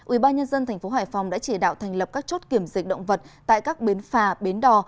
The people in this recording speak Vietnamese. ubnd tp hải phòng đã chỉ đạo thành lập các chốt kiểm dịch động vật tại các bến phà bến đò